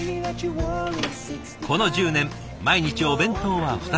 この１０年毎日お弁当は２つ。